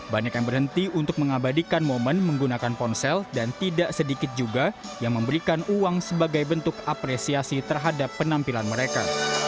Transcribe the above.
banyak yang berhenti untuk mengabadikan momen menggunakan ponsel dan tidak sedikit juga yang memberikan uang sebagai bentuk apresiasi terhadap penampilan mereka